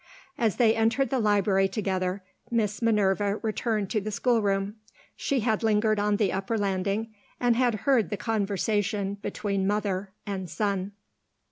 As they entered the library together, Miss Minerva returned to the schoolroom. She had lingered on the upper landing, and had heard the conversation between mother and son.